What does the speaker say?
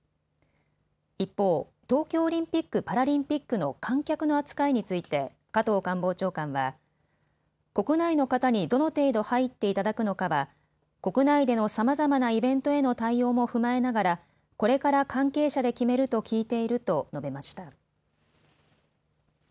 一方、東京オリンピック・パラリンピックの観客の扱いについて加藤官房長官は、国内の方にどの程度入っていただくのかは国内でのさまざまなイベントへの対応も踏まえながらこれから関係者で決めると聞いていると述べました。